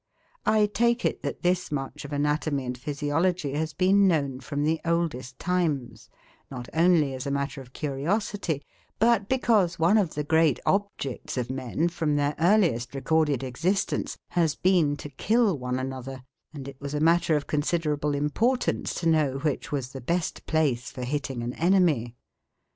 I take it that this much of anatomy and physiology has been known from the oldest times, not only as a matter of curiosity, but because one of the great objects of men, from their earliest recorded existence, has been to kill one another, and it was a matter of considerable importance to know which was the best place for hitting an enemy.